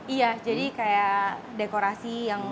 iya jadi kayak dekorasi yang